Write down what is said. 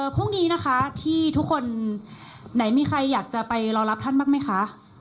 พรุ่งนี้นะคะที่ทุกคนไหนมีใครอยากจะไปรอรับท่านบ้างไหมคะ